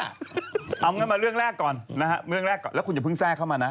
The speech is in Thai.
อ๋อเข้ามาเรื่องแรกก่อนแล้วคุณอย่าเพิ่งแซ่เข้ามานะ